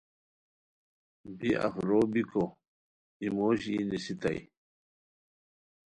بی اف رو بیکو ای موش یی نیسائے